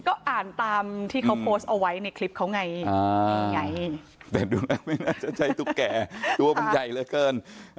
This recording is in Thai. ก็อ่านตามที่เขาโพสเอาไว้ในคลิปเขาไง